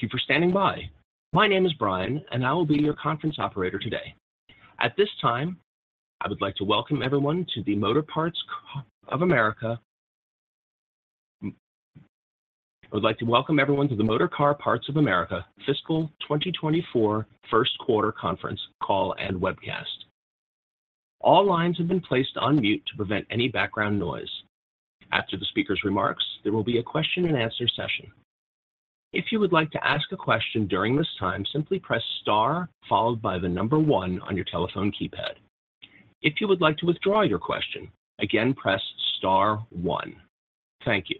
Thank you for standing by. My name is Brian, and I will be your conference operator today. At this time, I would like to welcome everyone to The Motorcar Parts of America Fiscal 2024 First Quarter Conference Call and Webcast. All lines have been placed on mute to prevent any background noise. After the speaker's remarks, there will be a question and answer session. If you would like to ask a question during this time, simply press star followed by one on your telephone keypad. If you would like to withdraw your question, again, press star one. Thank you.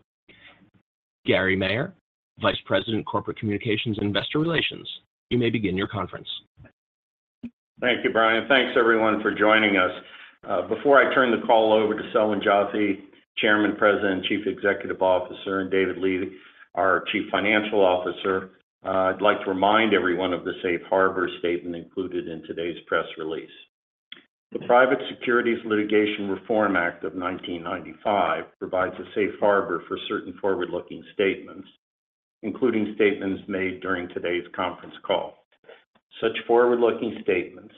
Gary Maier, Vice President, Corporate Communications and Investor Relations, you may begin your conference. Thank you, Brian. Thanks everyone for joining us. Before I turn the call over to Selwyn Joffe, Chairman, President, and Chief Executive Officer, and David Lee, our Chief Financial Officer, I'd like to remind everyone of the safe harbor statement included in today's press release. The Private Securities Litigation Reform Act of 1995 provides a safe harbor for certain forward-looking statements, including statements made during today's conference call. Such forward-looking statements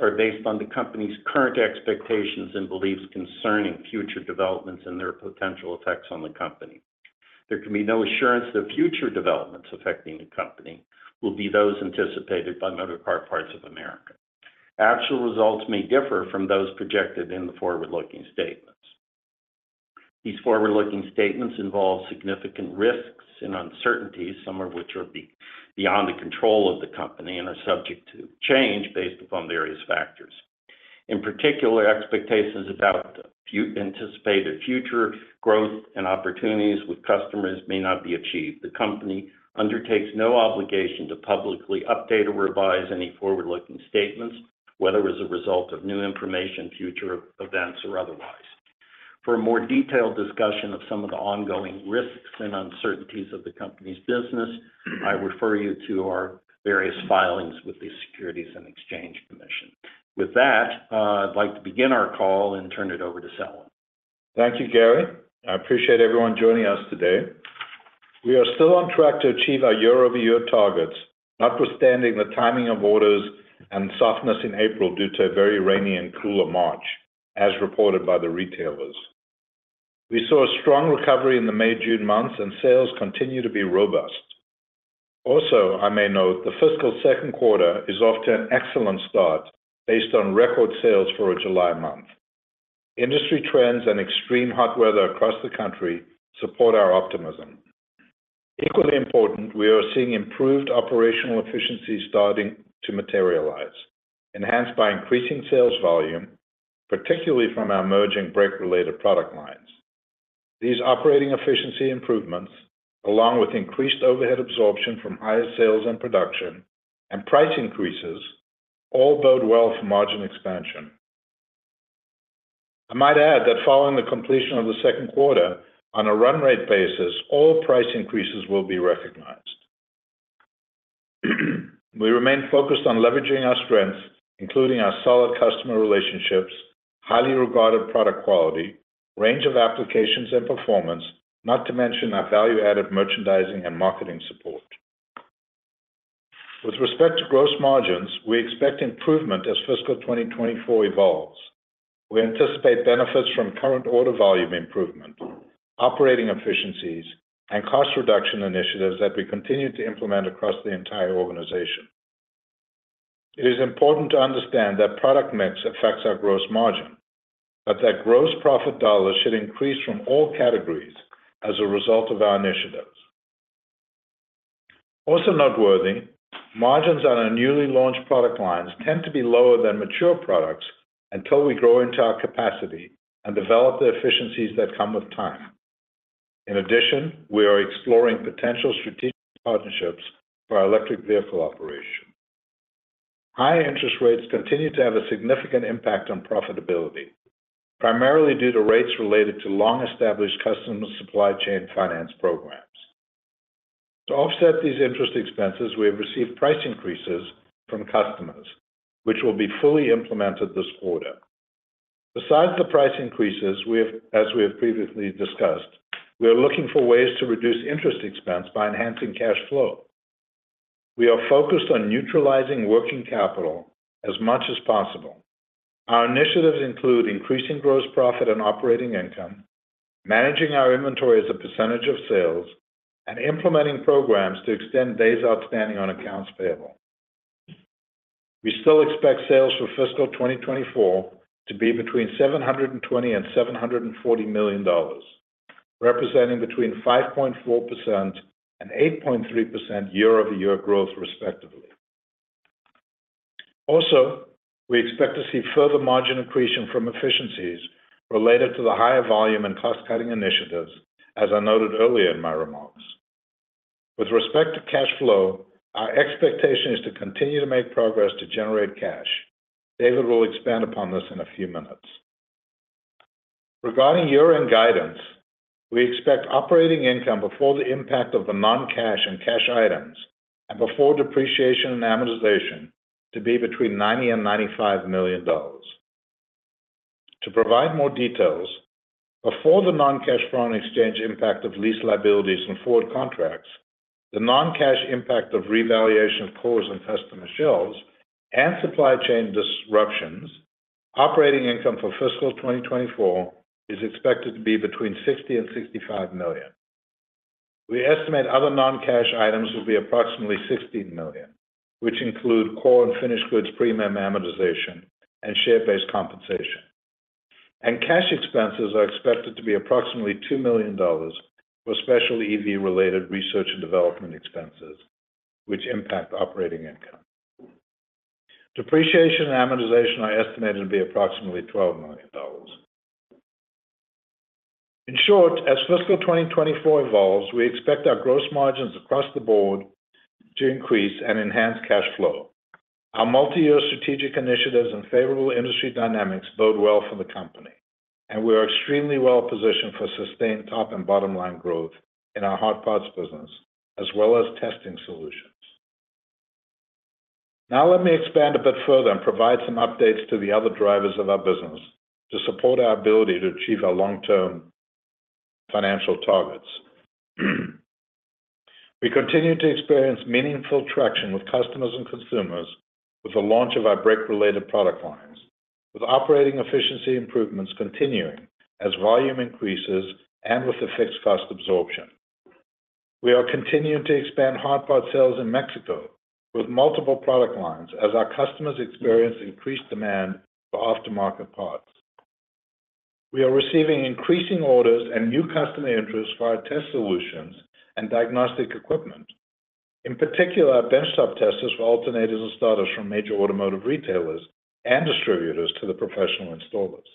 are based on the company's current expectations and beliefs concerning future developments and their potential effects on the company. There can be no assurance that future developments affecting the company will be those anticipated by Motorcar Parts of America. Actual results may differ from those projected in the forward-looking statements. These forward-looking statements involve significant risks and uncertainties, some of which are beyond the control of the company and are subject to change based upon various factors. In particular, expectations about anticipated future growth and opportunities with customers may not be achieved. The company undertakes no obligation to publicly update or revise any forward-looking statements, whether as a result of new information, future events, or otherwise. For a more detailed discussion of some of the ongoing risks and uncertainties of the company's business, I refer you to our various filings with the Securities and Exchange Commission. With that, I'd like to begin our call and turn it over to Selwyn. Thank you, Gary. I appreciate everyone joining us today. We are still on track to achieve our year-over-year targets, notwithstanding the timing of orders and softness in April due to a very rainy and cooler March, as reported by the retailers. We saw a strong recovery in the May, June months. Sales continue to be robust. I may note, the fiscal second quarter is off to an excellent start based on record sales for a July month. Industry trends and extreme hot weather across the country support our optimism. Equally important, we are seeing improved operational efficiency starting to materialize, enhanced by increasing sales volume, particularly from our emerging brake-related product lines. These operating efficiency improvements, along with increased overhead absorption from higher sales and production and price increases, all bode well for margin expansion. I might add that following the completion of the second quarter, on a run rate basis, all price increases will be recognized. We remain focused on leveraging our strengths, including our solid customer relationships, highly regarded product quality, range of applications and performance, not to mention our value-added merchandising and marketing support. With respect to gross margins, we expect improvement as fiscal 2024 evolves. We anticipate benefits from current order volume improvement, operating efficiencies, and cost reduction initiatives that we continue to implement across the entire organization. It is important to understand that product mix affects our gross margin, but that gross profit dollars should increase from all categories as a result of our initiatives. Also noteworthy, margins on our newly launched product lines tend to be lower than mature products until we grow into our capacity and develop the efficiencies that come with time. In addition, we are exploring potential strategic partnerships for our electric vehicle operation. High interest rates continue to have a significant impact on profitability, primarily due to rates related to long-established customer supply chain finance programs. To offset these interest expenses, we have received price increases from customers, which will be fully implemented this quarter. Besides the price increases, as we have previously discussed, we are looking for ways to reduce interest expense by enhancing cash flow. We are focused on neutralizing working capital as much as possible. Our initiatives include increasing gross profit and operating income, managing our inventory as a percentage of sales, and implementing programs to extend days outstanding on accounts payable. We still expect sales for fiscal 2024 to be between $720 million and $740 million, representing between 5.4% and 8.3% year-over-year growth, respectively. We expect to see further margin accretion from efficiencies related to the higher volume and cost-cutting initiatives, as I noted earlier in my remarks. With respect to cash flow, our expectation is to continue to make progress to generate cash. David will expand upon this in a few minutes. Regarding year-end guidance, we expect operating income before the impact of the non-cash and cash items and before depreciation and amortization to be between $90 million and $95 million. To provide more details, before the non-cash foreign exchange impact of lease liabilities and forward contracts, the non-cash impact of revaluation of cores and customer shelves, and supply chain disruptions, operating income for fiscal 2024 is expected to be between $60 million and $65 million. We estimate other non-cash items will be approximately $16 million, which include core and finished goods premium amortization and share-based compensation. Cash expenses are expected to be approximately $2 million for special EV-related research and development expenses, which impact operating income. Depreciation and amortization are estimated to be approximately $12 million. In short, as fiscal 2024 evolves, we expect our gross margins across the board to increase and enhance cash flow. Our multi-year strategic initiatives and favorable industry dynamics bode well for the company. We are extremely well positioned for sustained top and bottom line growth in our Hard Parts business, as well as testing solutions. Now, let me expand a bit further and provide some updates to the other drivers of our business to support our ability to achieve our long-term financial targets. We continue to experience meaningful traction with customers and consumers with the launch of our brake-related product lines, with operating efficiency improvements continuing as volume increases and with the fixed cost absorption. We are continuing to expand hard part sales in Mexico with multiple product lines as our customers experience increased demand for aftermarket parts. We are receiving increasing orders and new customer interest for our Test Solutions and Diagnostic Equipment. In particular, bench-top testers for alternators and starters from major automotive retailers and distributors to the professional installers.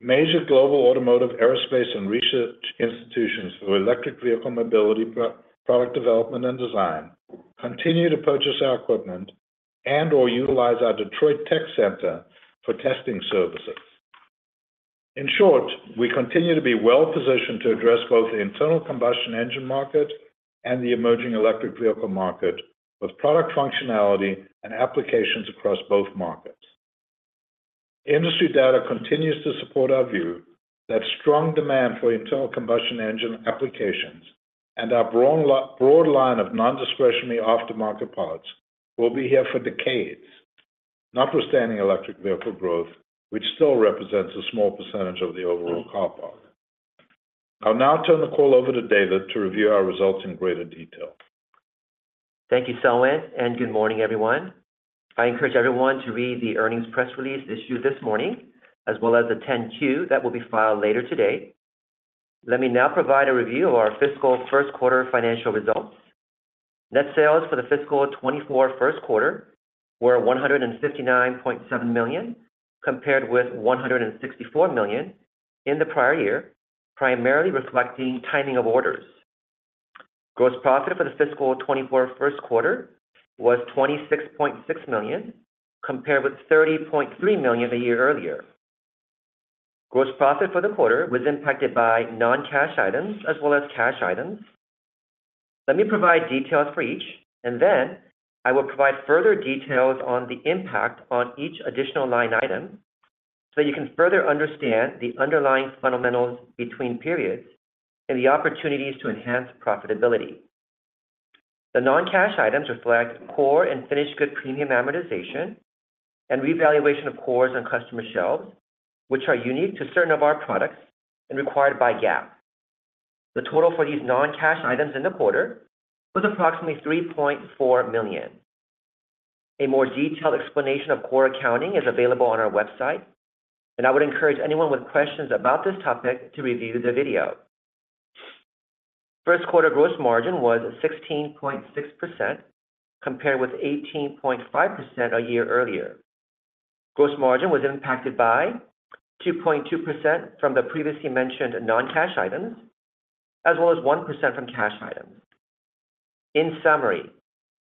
Major global automotive, aerospace, and research institutions for electric vehicle mobility product development and design continue to purchase our equipment and/or utilize our Detroit tech center for testing services. In short, we continue to be well-positioned to address both the internal combustion engine market and the emerging electric vehicle market, with product functionality and applications across both markets. Industry data continues to support our view that strong demand for internal combustion engine applications and our broad line of non-discretionary aftermarket parts will be here for decades, notwithstanding electric vehicle growth, which still represents a small % of the overall car park. I'll now turn the call over to David to review our results in greater detail. Thank you, Selwyn, and good morning, everyone. I encourage everyone to read the earnings press release issued this morning, as well as the 10-Q that will be filed later today. Let me now provide a review of our fiscal first quarter financial results. Net sales for the fiscal 2024 first quarter were $159.7 million, compared with $164 million in the prior year, primarily reflecting timing of orders. Gross profit for the fiscal 2024 first quarter was $26.6 million, compared with $30.3 million a year earlier. Gross profit for the quarter was impacted by non-cash items as well as cash items. Let me provide details for each, and then I will provide further details on the impact on each additional line item, so you can further understand the underlying fundamentals between periods and the opportunities to enhance profitability. The non-cash items reflect core and finished good premium amortization and revaluation of cores on customer shelves, which are unique to certain of our products and required by GAAP. The total for these non-cash items in the quarter was approximately $3.4 million. A more detailed explanation of core accounting is available on our website, I would encourage anyone with questions about this topic to review the video. First quarter gross margin was 16.6%, compared with 18.5% a year earlier. Gross margin was impacted by 2.2% from the previously mentioned non-cash items, as well as 1% from cash items. In summary,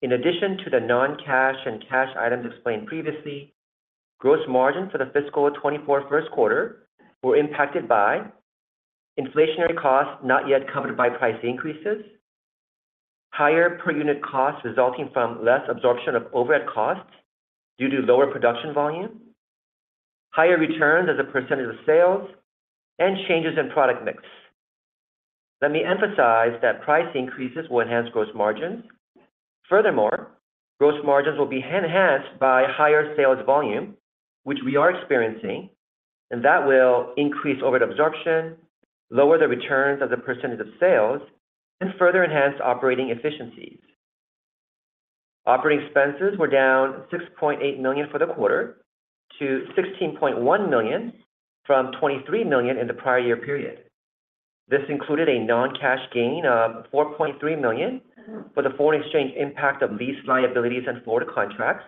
in addition to the non-cash and cash items explained previously, gross margins for the fiscal 2024 first quarter were impacted by inflationary costs not yet covered by price increases, higher per unit costs resulting from less absorption of overhead costs due to lower production volume, higher returns as a % of sales, and changes in product mix. Let me emphasize that price increases will enhance gross margins. Gross margins will be enhanced by higher sales volume, which we are experiencing, and that will increase overhead absorption, lower the returns as a % of sales, and further enhance operating efficiencies. Operating expenses were down $6.8 million for the quarter, to $16.1 million from $23 million in the prior year period. This included a non-cash gain of $4.3 million for the foreign exchange impact of lease liabilities and forward contracts,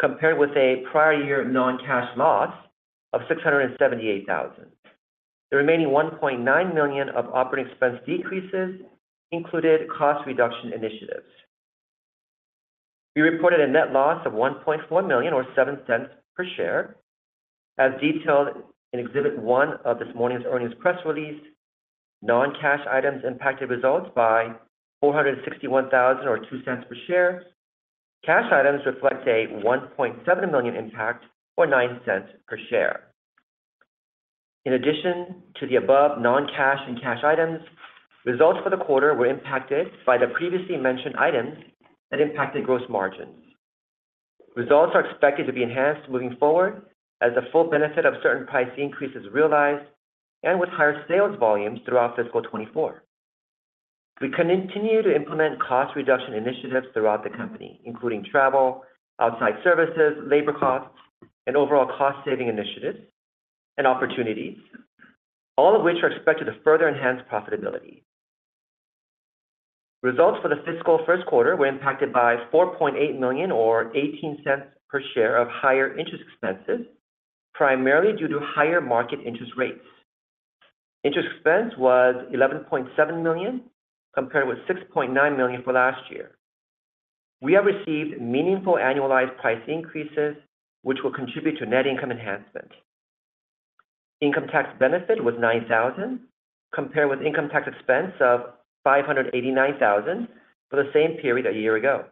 compared with a prior year non-cash loss of $678,000. The remaining $1.9 million of operating expense decreases included cost reduction initiatives. We reported a net loss of $1.1 million or $0.07 per share, as detailed in exhibit one of this morning's earnings press release. Non-cash items impacted results by $461,000 or $0.02 per share. Cash items reflect a $1.7 million impact, or $0.09 per share. In addition to the above non-cash and cash items, results for the quarter were impacted by the previously mentioned items that impacted gross margins. Results are expected to be enhanced moving forward as the full benefit of certain price increases realized and with higher sales volumes throughout fiscal 2024. We continue to implement cost reduction initiatives throughout the company, including travel, outside services, labor costs, and overall cost-saving initiatives and opportunities, all of which are expected to further enhance profitability. Results for the fiscal first quarter were impacted by $4.8 million, or $0.18 per share of higher interest expenses, primarily due to higher market interest rates. Interest expense was $11.7 million, compared with $6.9 million for last year. We have received meaningful annualized price increases, which will contribute to net income enhancement. Income tax benefit was $9,000, compared with income tax expense of $589,000 for the same period a year ago.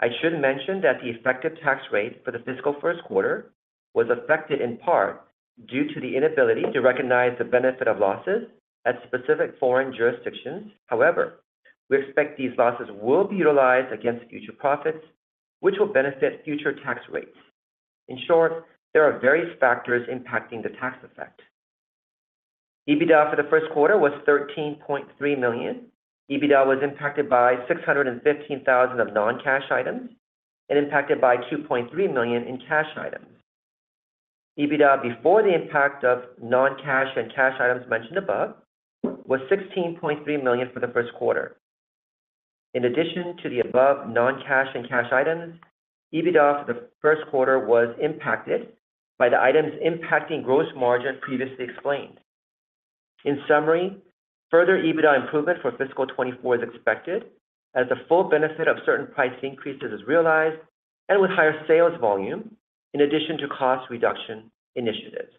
I should mention that the effective tax rate for the fiscal first quarter was affected in part due to the inability to recognize the benefit of losses at specific foreign jurisdictions. However, we expect these losses will be utilized against future profits, which will benefit future tax rates. In short, there are various factors impacting the tax effect. EBITDA for the first quarter was $13.3 million. EBITDA was impacted by $615,000 of non-cash items and impacted by $2.3 million in cash items. EBITDA, before the impact of non-cash and cash items mentioned above, was $16.3 million for the first quarter. In addition to the above non-cash and cash items, EBITDA for the first quarter was impacted by the items impacting gross margin previously explained. In summary, further EBITDA improvement for fiscal 2024 is expected as the full benefit of certain price increases is realized and with higher sales volume, in addition to cost reduction initiatives.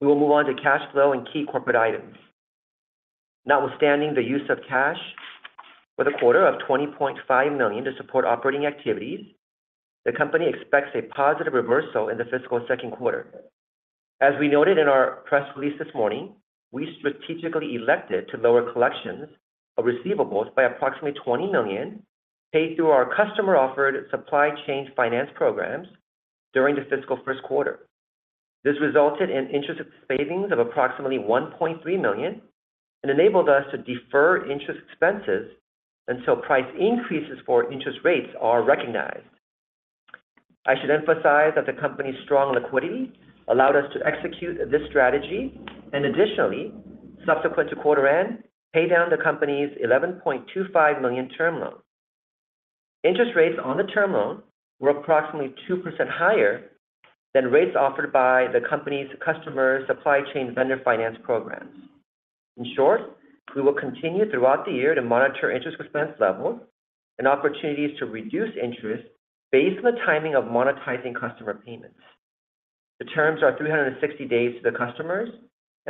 We will move on to cash flow and key corporate items. Notwithstanding the use of cash for the quarter of $20.5 million to support operating activities, the company expects a positive reversal in the fiscal second quarter. As we noted in our press release this morning, we strategically elected to lower collections of receivables by approximately $20 million, paid through our customer-offered supply chain finance programs during the fiscal first quarter. This resulted in interest savings of approximately $1.3 million and enabled us to defer interest expenses until price increases for interest rates are recognized. I should emphasize that the company's strong liquidity allowed us to execute this strategy. Additionally, subsequent to quarter end, pay down the company's $11.25 million term loan. Interest rates on the term loan were approximately 2% higher than rates offered by the company's customer supply chain vendor finance programs. In short, we will continue throughout the year to monitor interest expense levels and opportunities to reduce interest based on the timing of monetizing customer payments. The terms are 360 days to the customers.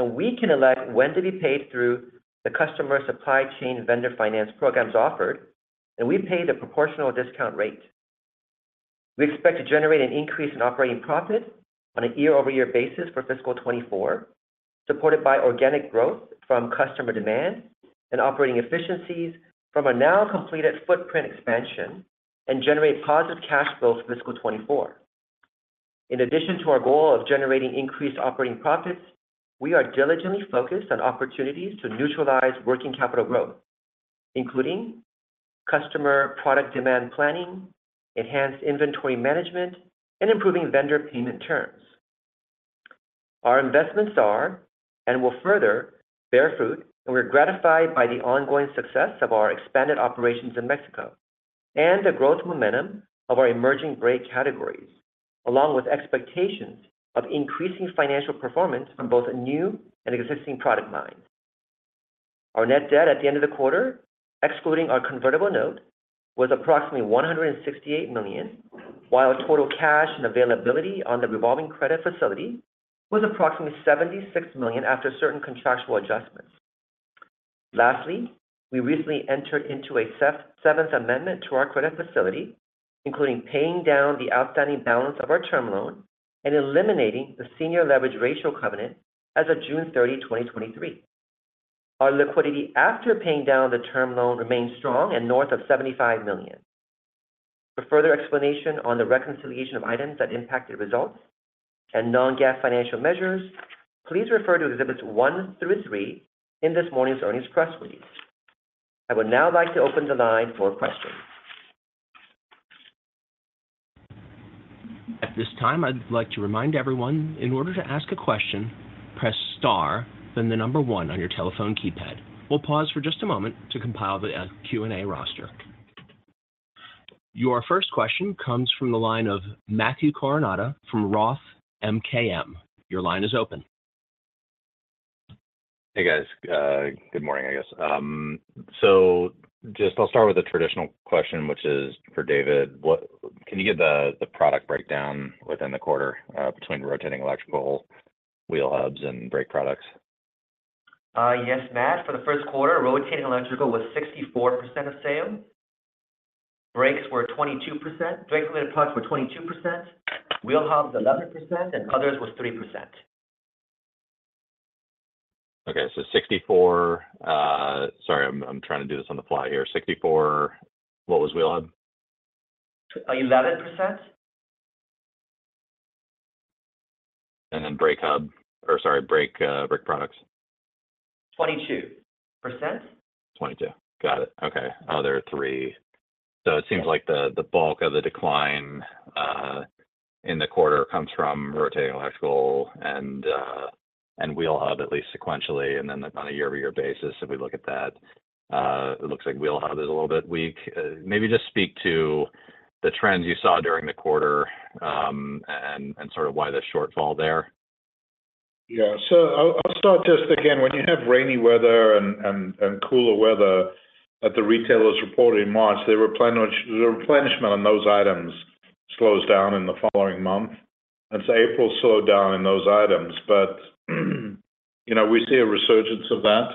We can elect when to be paid through the customer supply chain vendor finance programs offered, and we pay the proportional discount rate. We expect to generate an increase in operating profit on a year-over-year basis for fiscal 2024, supported by organic growth from customer demand and operating efficiencies from a now completed footprint expansion, and generate positive cash flow for fiscal 2024. In addition to our goal of generating increased operating profits, we are diligently focused on opportunities to neutralize working capital growth, including customer product demand planning, enhanced inventory management, and improving vendor payment terms. Our investments are, and will further bear fruit, and we're gratified by the ongoing success of our expanded operations in Mexico and the growth momentum of our emerging brake categories, along with expectations of increasing financial performance on both new and existing product lines. Our net debt at the end of the quarter, excluding our convertible note, was approximately $168 million, while total cash and availability on the revolving credit facility was approximately $76 million after certain contractual adjustments. Lastly, we recently entered into a seventh amendment to our credit facility, including paying down the outstanding balance of our term loan and eliminating the senior leverage ratio covenant as of June 30, 2023. Our liquidity after paying down the term loan remains strong and north of $75 million. For further explanation on the reconciliation of items that impacted results and non-GAAP financial measures, please refer to Exhibits one through three in this morning's earnings press release. I would now like to open the line for questions. At this time, I'd like to remind everyone, in order to ask a question, press star, then the number one on your telephone keypad. We'll pause for just a moment to compile the Q&A roster. Your first question comes from the line of Matt Koranda from Roth MKM. Your line is open. Hey, guys. Good morning, I guess. Just I'll start with a traditional question, which is for David: Can you give the product breakdown within the quarter, between rotating electrical, wheel hubs, and brake products? Yes, Matt, for the first quarter, rotating electrical was 64% of sale. Brakes were 22%. Brake related products were 22%, wheel hubs, 11%, and others was 3%. Okay, 64%. Sorry, I'm, I'm trying to do this on the fly here. 64%, what was wheel hub? 11%. Then brake hub, or sorry, brake, brake products? 22%. 22%. Got it. Okay. Other three. It seems like the, the bulk of the decline in the quarter comes from rotating electrical and wheel hub, at least sequentially, and then on a year-over-year basis, if we look at that, it looks like wheel hub is a little bit weak. Maybe just speak to the trends you saw during the quarter, and, and sort of why the shortfall there. Yeah. I'll start just again, when you have rainy weather and, and cooler weather that the retailers reported in March, the replenishment on those items slows down in the following month. April slowed down in those items. You know, we see a resurgence of that.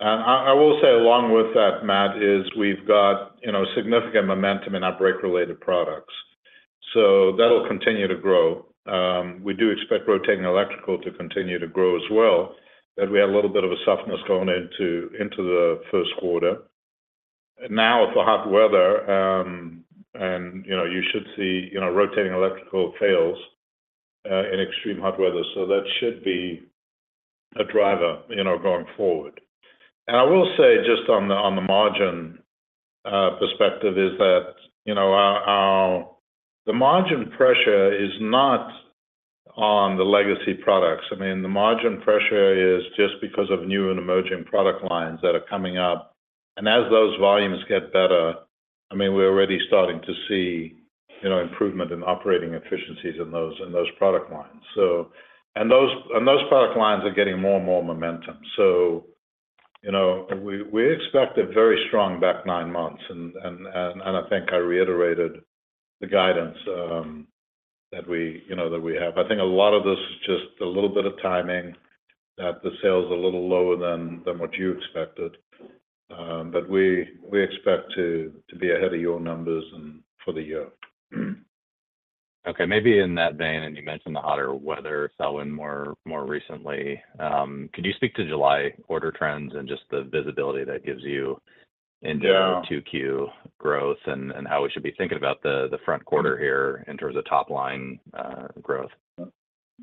I will say along with that, Matt, is we've got, you know, significant momentum in our brake related products, that'll continue to grow. We do expect rotating electrical to continue to grow as well. We had a little bit of a softness going into the first quarter. Now, with the hot weather, you know, you should see, you know, rotating electrical fails in extreme hot weather, that should be a driver, you know, going forward. I will say, just on the, on the margin, perspective, is that, you know, our, our the margin pressure is not on the legacy products. I mean, the margin pressure is just because of new and emerging product lines that are coming up. As those volumes get better, I mean, we're already starting to see, you know, improvement in operating efficiencies in those, in those product lines. Those, and those product lines are getting more and more momentum. You know, we, we expect a very strong back nine months, and, and, and, and I think I reiterated the guidance that we, you know, that we have. I think a lot of this is just a little bit of timing, that the sales are a little lower than, than what you expected, but we, we expect to, to be ahead of your numbers and for the year. Okay, maybe in that vein, and you mentioned the hotter weather selling more, more recently, could you speak to July order trends and just the visibility that gives you? Yeah ... into 2Q growth and how we should be thinking about the front quarter here in terms of top line, growth?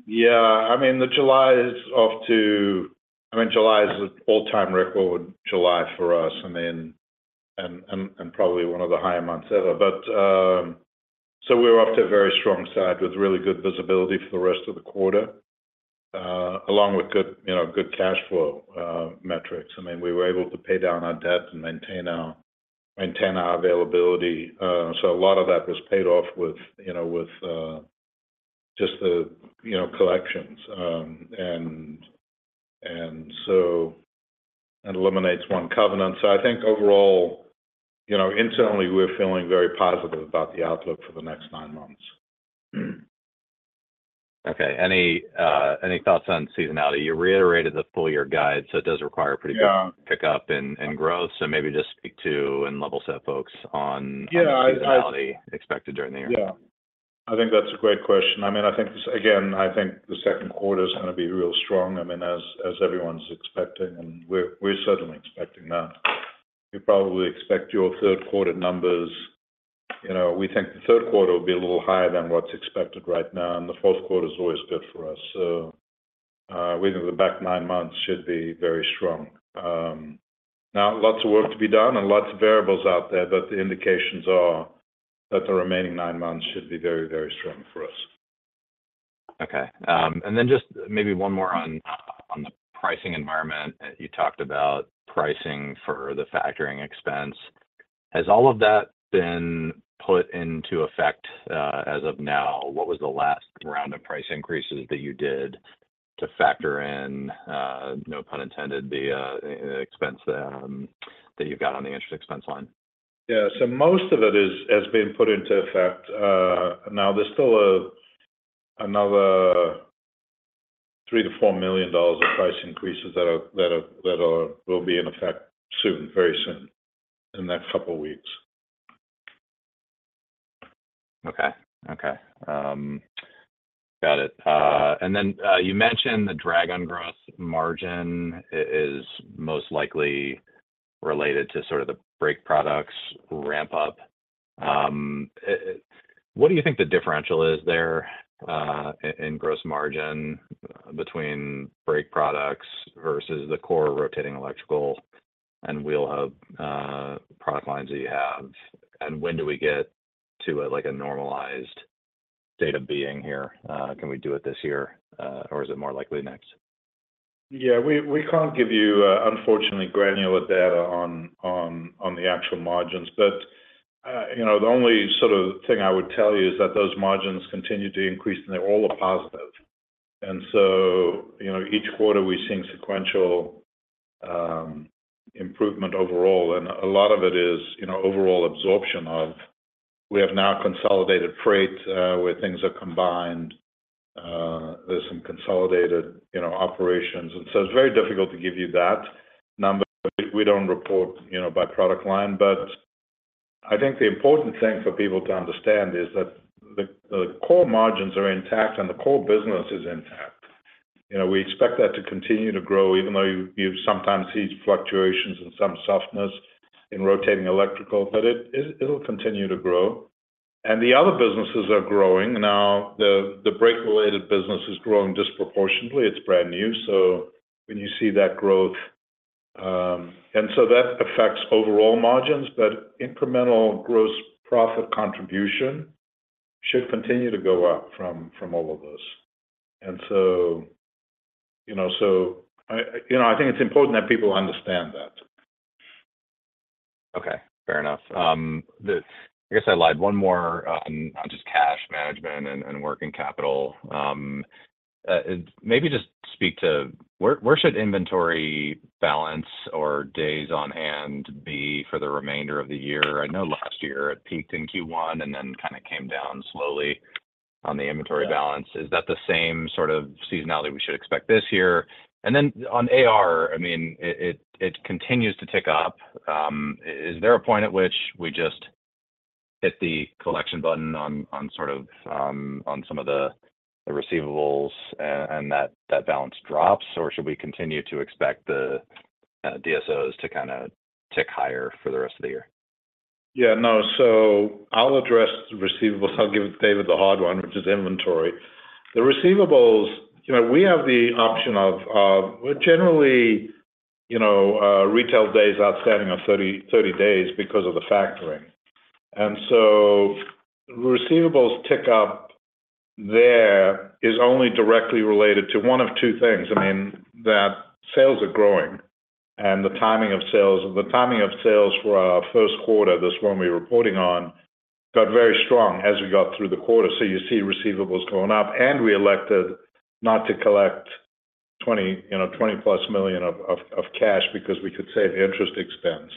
Yeah. I mean, the July is off to... I mean, July is an all-time record July for us, I mean, and, and, and probably one of the higher months ever. We're off to a very strong start with really good visibility for the rest of the quarter, along with good, you know, good cash flow metrics. I mean, we were able to pay down our debt and maintain our, maintain our availability. A lot of that was paid off with, you know, with just the, you know, collections. It eliminates one covenant. I think overall, you know, internally, we're feeling very positive about the outlook for the next nine months. Okay. Any thoughts on seasonality? You reiterated the full year guide, so it does require pretty good... Yeah... pickup and, and growth. Maybe just speak to and level set folks on- Yeah. I. - seasonality expected during the year. Yeah. I think that's a great question. I mean, I think, again, I think the second quarter is gonna be real strong. I mean, as, as everyone's expecting, and we're, we're certainly expecting that. You probably expect your third quarter numbers. You know, we think the third quarter will be a little higher than what's expected right now, and the fourth quarter is always good for us. We think the back nine months should be very strong. Now, lots of work to be done and lots of variables out there, but the indications are that the remaining nine months should be very, very strong for us. Okay. Just maybe one more on, on the pricing environment. You talked about pricing for the factoring expense. Has all of that been put into effect as of now? What was the last round of price increases that you did to factor in, no pun intended, the expense that you've got on the interest expense line? Yeah. Most of it is, has been put into effect. Now, there's still another $3 million-$4 million of price increases will be in effect soon, very soon, in the next couple of weeks. Okay. Okay, got it. Then, you mentioned the drag on gross margin is most likely related to sort of the brake products ramp up. What do you think the differential is there, in, in gross margin between brake products versus the core rotating electrical and wheel hub, product lines that you have? When do we get to a, like, a normalized state of being here? Can we do it this year, or is it more likely next? Yeah, we, we can't give you, unfortunately, granular data on, on, on the actual margins, but, you know, the only sort of thing I would tell you is that those margins continue to increase, and they're all positive. So, you know, each quarter, we're seeing sequential improvement overall, and a lot of it is, you know, overall absorption of-... We have now consolidated freight, where things are combined. There's some consolidated, you know, operations, and so it's very difficult to give you that number. We, we don't report, you know, by product line, but I think the important thing for people to understand is that the, the core margins are intact and the core business is intact. You know, we expect that to continue to grow, even though you, you sometimes see fluctuations and some softness in rotating electrical, but it, it, it'll continue to grow. The other businesses are growing. Now, the, the brake-related business is growing disproportionately. It's brand new, so when you see that growth, and so that affects overall margins, but incremental gross profit contribution should continue to go up from, from all of this. So, you know, so I, you know, I think it's important that people understand that. Okay, fair enough. I guess I lied, one more, on just cash management and working capital. Maybe just speak to where, where should inventory balance or days on hand be for the remainder of the year? I know last year it peaked in Q1 and then kind of came down slowly on the inventory balance. Is that the same sort of seasonality we should expect this year? Then on AR, I mean, it, it, it continues to tick up. Is there a point at which we just hit the collection button on, on sort of, on some of the, the receivables, and that, that balance drops? Should we continue to expect the DSOs to kind of tick higher for the rest of the year? Yeah, no. I'll address the receivables. I'll give David the hard one, which is inventory. The receivables, you know, we have the option of, generally, you know, retail days outstanding are 30, 30 days because of the factoring. Receivables tick up there is only directly related to one of two things. I mean, that sales are growing and the timing of sales. The timing of sales for our first quarter, this one we're reporting on, got very strong as we got through the quarter. You see receivables going up, and we elected not to collect $20+ million of cash because we could save interest expense.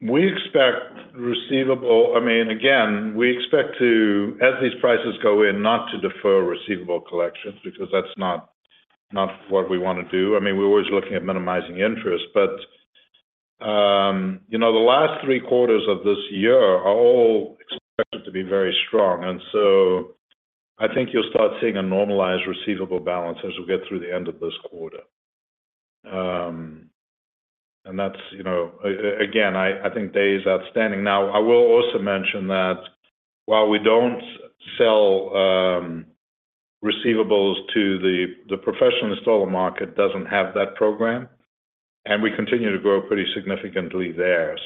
We expect to, I mean, again, we expect to, as these prices go in, not to defer receivable collections, because that's not what we want to do. I mean, we're always looking at minimizing interest, but, you know, the last three quarters of this year are all expected to be very strong, and so I think you'll start seeing a normalized receivable balance as we get through the end of this quarter. That's, you know, again, I, I think days outstanding. Now, I will also mention that while we don't sell, receivables to the professional installer market doesn't have that program, and we continue to grow pretty significantly there.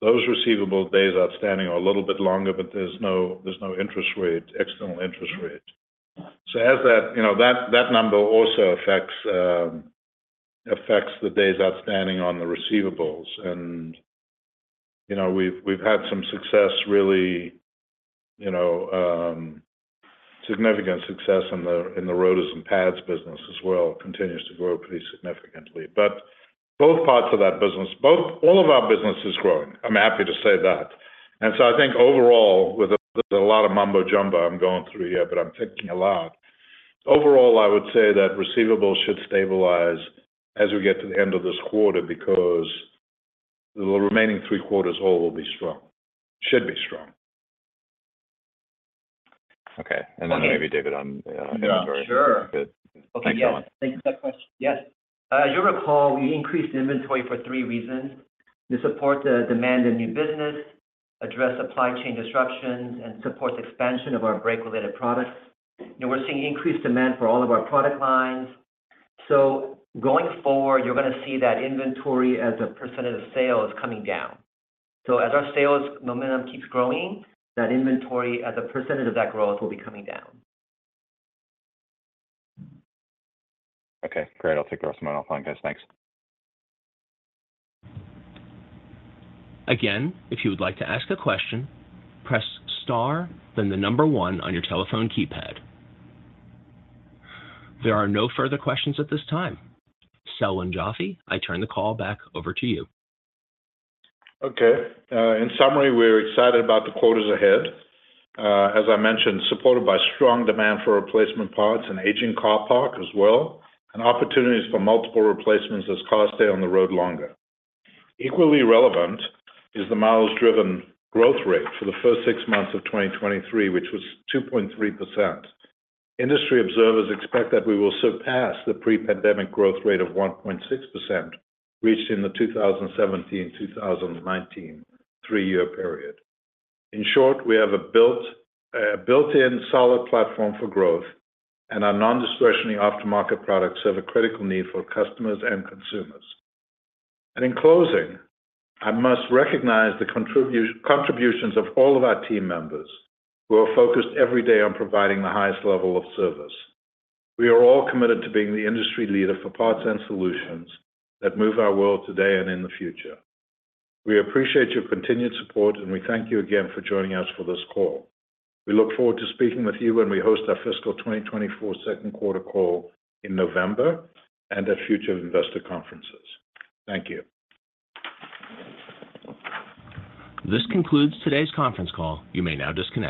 Those receivable days outstanding are a little bit longer, but there's no, there's no interest rate, external interest rate. As that, you know, that, that number also affects, affects the days outstanding on the receivables. You know, we've, we've had some success, really, you know, significant success in the rotors and pads business as well, continues to grow pretty significantly. Both parts of that business, all of our business is growing. I'm happy to say that. I think overall, with a lot of mumbo jumbo I'm going through here, but I'm thinking aloud. Overall, I would say that receivables should stabilize as we get to the end of this quarter, because the remaining three quarters all will be strong, should be strong. Okay. Then maybe David on inventory. Yeah, sure. Good. Thanks a lot. Thank you for that question. Yes. As you recall, we increased inventory for three reasons: to support the demand in new business, address supply chain disruptions, and support the expansion of our brake related products. We're seeing increased demand for all of our product lines. Going forward, you're going to see that inventory as a % of sales coming down. As our sales momentum keeps growing, that inventory as a % of that growth will be coming down. Okay, great. I'll take the rest of them offline, guys. Thanks. Again, if you would like to ask a question, press star, then the number one on your telephone keypad. There are no further questions at this time. Selwyn Joffe, I turn the call back over to you. Okay. In summary, we're excited about the quarters ahead. As I mentioned, supported by strong demand for replacement parts and aging car park as well, and opportunities for multiple replacements as cars stay on the road longer. Equally relevant is the miles driven growth rate for the first six months of 2023, which was 2.3%. Industry observers expect that we will surpass the pre-pandemic growth rate of 1.6%, reached in the 2017-2019 three-year period. In short, we have a built-in solid platform for growth, and our non-discretionary aftermarket products have a critical need for customers and consumers. In closing, I must recognize the contributions of all of our team members, who are focused every day on providing the highest level of service. We are all committed to being the industry leader for parts and solutions that move our world today and in the future. We appreciate your continued support, and we thank you again for joining us for this call. We look forward to speaking with you when we host our fiscal 2024 second quarter call in November and at future investor conferences. Thank you. This concludes today's conference call. You may now disconnect.